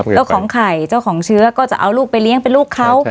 เจ้าของไข่เจ้าของเชื้อก็จะเอาลูกไปเลี้ยงเป็นลูกเขา